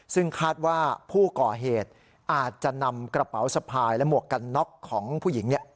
ซึ่งคาดว่าผู้ก่อเหตุอาจจะนำกระเป๋าสะพายและหมวกกันน็อกของผู้หญิง